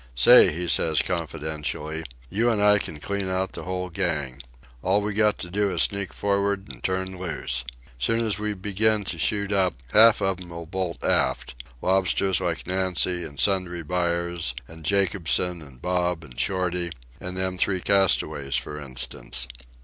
"Say," he said confidentially, "you and I can clean out the whole gang. All we got to do is sneak for'ard and turn loose. As soon as we begin to shoot up, half of 'em'll bolt aft—lobsters like Nancy, an' Sundry Buyers, an' Jacobsen, an' Bob, an' Shorty, an' them three castaways, for instance.